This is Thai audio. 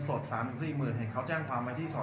แต่ว่าเมืองนี้ก็ไม่เหมือนกับเมืองอื่น